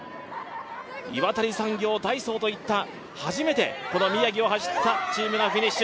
岩谷産業、ダイソーといった、初めてこの宮城を走ったチームのフィニッシュ。